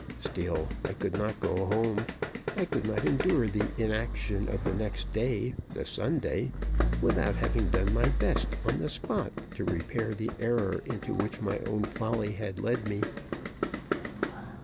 Still, I could not go home. I could not endure the inaction of the next day, the Sunday, without having done my best on the spot to repair the error into which my own folly had led me.